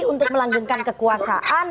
untuk melanggungkan kekuasaan